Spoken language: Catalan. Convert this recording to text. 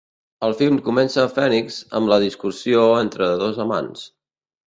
El film comença a Phoenix amb la discussió entre dos amants.